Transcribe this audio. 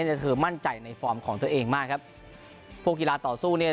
แต่เธอมั่นใจในฟอร์มของตัวเองมากครับพวกกีฬาต่อสู้เนี่ย